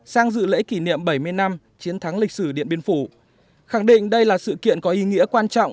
sang dự lễ kỷ niệm bảy mươi năm chiến thắng lịch sử điện biên phủ khẳng định đây là sự kiện có ý nghĩa quan trọng